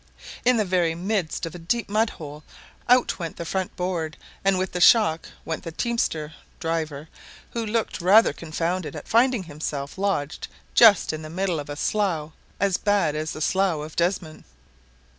In the very midst of a deep mud hole out went the front board, and with the shock went the teamster (driver), who looked rather confounded at finding himself lodged just in the middle of a slough as bad as the "Slough of Despond."